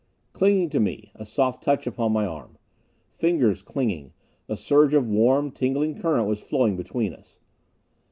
Clinging to me. A soft touch upon my arm. Fingers, clinging. A surge of warm, tingling current was flowing between us.